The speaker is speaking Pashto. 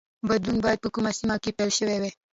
بدلون باید په کومه سیمه کې پیل شوی وای